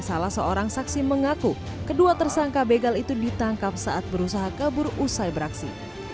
salah seorang saksi mengaku kedua tersangka begal itu ditangkap saat berusaha kabur usai beraksi